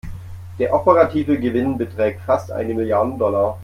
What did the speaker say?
Der operative Gewinn beträgt fast eine Milliarde Dollar.